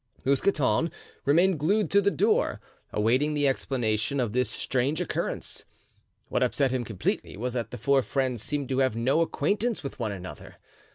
Mousqueton remained glued to the door, awaiting the explanation of this strange occurrence. What upset him completely was that the four friends seemed to have no acquaintance with one another.